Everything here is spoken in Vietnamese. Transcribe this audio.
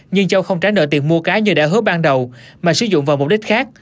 nhưng châu không trả nợ tiền mua cá như đã hứa ban đầu mà sử dụng vào mục đích khác